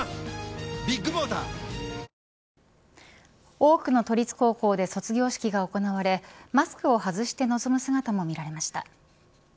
多くの都立高校で卒業式が行われマスクを外して臨む姿も見られました。